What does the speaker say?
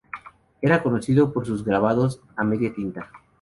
Era conocido por sus grabados a media tinta.